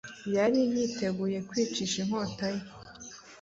yari yiteguye kwiyicisha inkota ye;